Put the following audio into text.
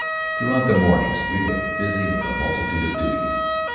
Throughout the mornings we were busy with a multitude of duties.